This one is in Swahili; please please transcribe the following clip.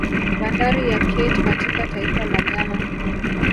Bandari ya Kate katika taifa la Ghana